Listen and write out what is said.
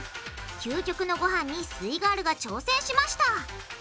究極のごはんにすイガールが挑戦しました。